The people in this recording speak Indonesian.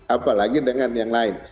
apalagi dengan yang lain